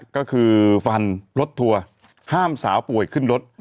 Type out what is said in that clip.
ก็คือฟันรถทัวร์ห้ามสาวป่วยขึ้นรถ